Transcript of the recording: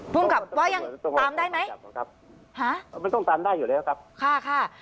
ภูมิกับว่ายังตามได้ไหมครับฮะไม่ต้องตามได้อยู่แล้วครับค่ะ